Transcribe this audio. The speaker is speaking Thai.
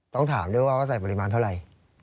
ต้องถามด้วยว่าใส่ปริมาณเท่าไหร่